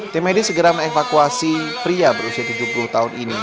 tim medis segera mengevakuasi pria berusia tujuh puluh tahun ini